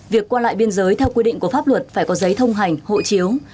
việc qua lại biên giới theo quy định của pháp luật phải có giấy thông hành hộ chiếu